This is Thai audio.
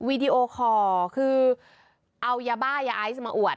วีดีโอคอร์คือเอายาบ้ายาไอซ์มาอวด